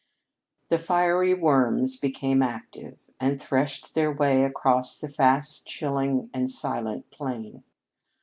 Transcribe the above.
The fiery worms became active, and threshed their way across the fast chilling and silent plain.